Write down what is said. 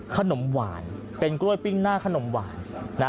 ขนมหวานเป็นกล้วยปิ้งหน้าขนมหวานนะ